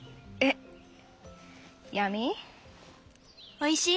おいしい？